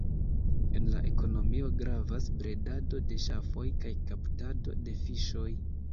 En la ekonomio gravas bredado de ŝafoj kaj kaptado de fiŝoj.